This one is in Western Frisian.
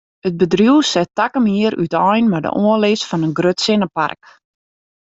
It bedriuw set takom jier útein mei de oanlis fan in grut sinnepark.